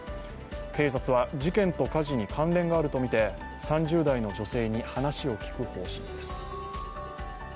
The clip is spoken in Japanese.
警察は事件と火事に関連があるとみて、３０代の女性に話を聞く方針です。